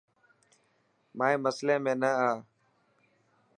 مائي مسلي ۾ نا آءِ.